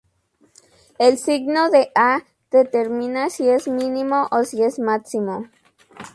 El signo de "a" determina si es mínimo o si es máximo.